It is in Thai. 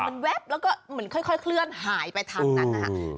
มันแวบแล้วก็เหมือนค่อยเคลื่อนหายไปทางนั้นนะครับ